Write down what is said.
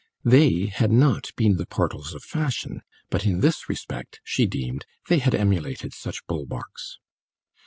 They had not been the portals of fashion, but in this respect, she deemed, they had emulated such bulwarks.